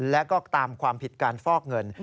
และก็ตามความผิดการฟอกเงิน